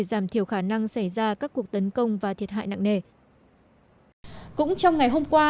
giảm thiểu khả năng xảy ra các cuộc tấn công và thiệt hại nặng nề cũng trong ngày hôm qua